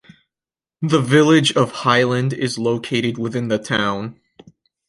The village of Highland is located within the town.